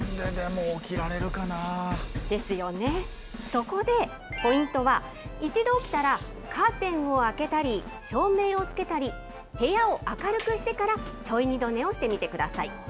そこで、ポイントは一度起きたら、カーテンを開けたり、照明をつけたり、部屋を明るくしてから、ちょい二度寝をしてみてください。